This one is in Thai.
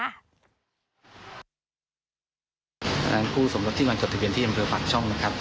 ท่านคู่สมรถที่วันจดทะเบียนที่อำเภอปากช่องนะครับ